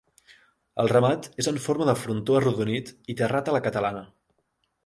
El remat és en forma de frontó arrodonit i terrat a la catalana.